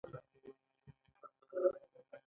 بزګرانو وسلې او نظم نه درلود.